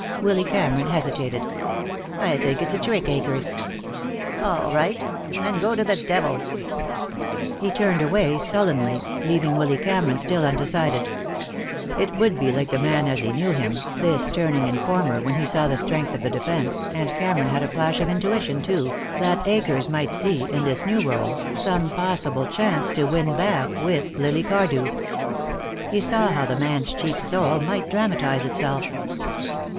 Willy Cameron hesitated. "I think it's a trick, Akers." "All right. Then go to the devil!" He turned away sullenly, leaving Willy Cameron still undecided. It would be like the man as he knew him, this turning informer when he saw the strength of the defense, and Cameron had a flash of intuition, too, that Akers might see, in this new role, some possible chance to win back with Lily Cardew. He saw how the man's cheap soul might dramatize itself.